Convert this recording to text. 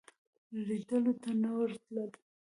لیدلو ته نه ورتلل.